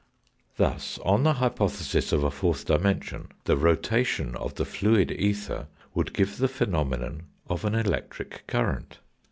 Thus, on the hypothesis of a fourth dimension, the rota tion of the fluid ether would give the phenomenon of an electric current.